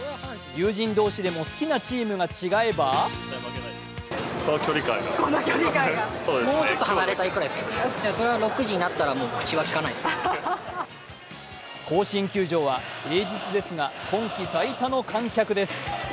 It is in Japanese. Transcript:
友人同士でも好きなチームが違えば甲子園球場は平日ですが今季最多の観客です。